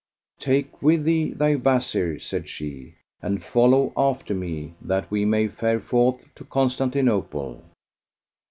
Take with thee thy Wazir," said she, "and follow after me, that we may fare forth to Constantinople."